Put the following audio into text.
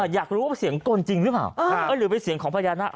อยากรู้ว่าเสียงกลจริงหรือเปล่าหรือเป็นเสียงของพญานาค